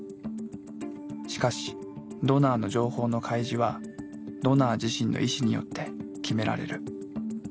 しかしドナーの情報の開示はドナー自身の意思によって決められる。